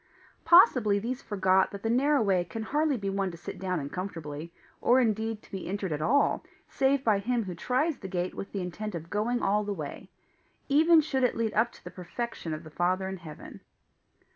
Possibly these forgot that the narrow way can hardly be one to sit down in comfortably, or indeed to be entered at all save by him who tries the gate with the intent of going all the way even should it lead up to the perfection of the Father in heaven.